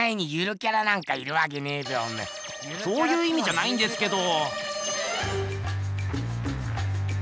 そういういみじゃないんですけど。